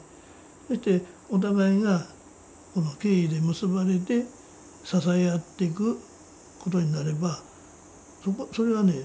そしてお互いが敬意で結ばれて支え合っていくことになればそれはね